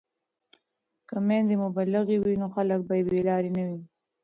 که میندې مبلغې وي نو خلک به بې لارې نه وي.